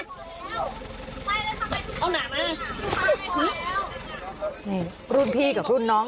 นี่รุ่นพี่กับรุ่นน้อง